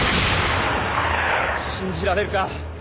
信じられるか。